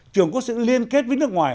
trường có sự liên kết với nước ngoài